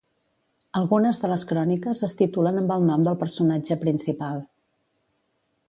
Algunes de les cròniques es titulen amb el nom del personatge principal.